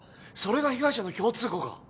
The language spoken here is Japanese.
それが被害者の共通項か。